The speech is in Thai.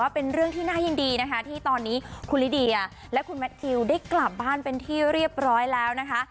เป็นเรื่องที่น่ายินดีนะคะที่ตอนนี้คุณลิเดียและคุณแมททิวได้กลับบ้านเป็นที่เรียบร้อยแล้วนะคะ